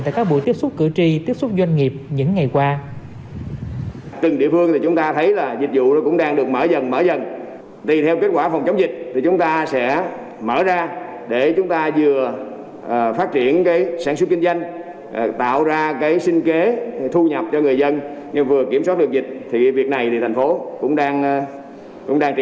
tại các buổi tiếp xúc cử tri tiếp xúc doanh nghiệp những ngày qua